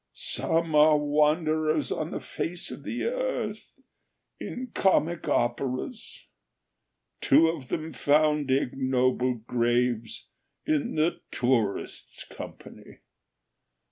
"Some are wanderers on the face of the earth, in comic operas. Two of them found ignoble graves in the 'Tourists'' company.